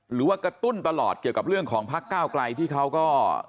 หรือว่ากระตุ้นตลอดเกี่ยวกับเรื่องของพักก้าวไกลที่เขาก็